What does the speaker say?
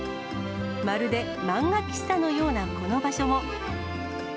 まるで漫画喫茶のようなこの場所も。